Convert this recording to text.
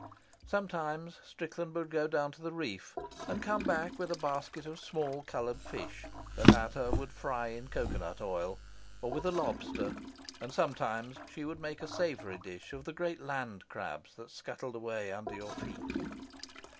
Sometimes Strickland would go down to the reef, and come back with a basket of small, coloured fish that Ata would fry in cocoa nut oil, or with a lobster; and sometimes she would make a savoury dish of the great land crabs that scuttled away under your feet.